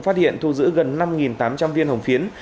phát hiện thu giữ gần năm tám trăm linh viên hồng phiến